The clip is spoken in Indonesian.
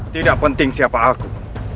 tidak penting siapa aku